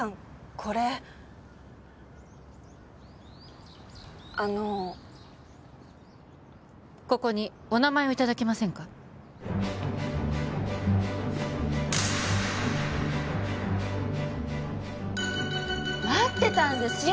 これあのここにお名前をいただけませんか待ってたんですよ